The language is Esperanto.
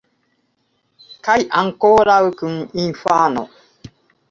Kaj ankoraŭ kun infano!